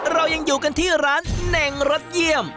เรายังอยู่กันที่ร้านเน่งรสเยี่ยม